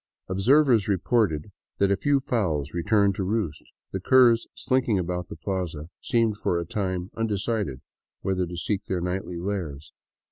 Observers reported that a few fowls returned to roost ; the curs slinking about the plaza seemed for a time undecided whether to seek their nightly lairs.